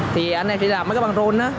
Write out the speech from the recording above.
thì anh em chỉ làm mấy cái băng rôn á